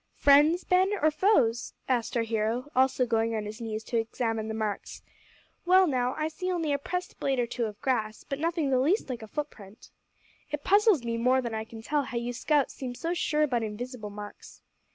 "Friends, Ben, or foes?" asked our hero, also going on his knees to examine the marks. "Well, now, I see only a pressed blade or two of grass, but nothing the least like a footprint. It puzzles me more than I can tell how you scouts seem so sure about invisible marks."